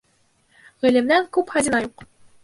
Ғилемдән күп хазина юҡ.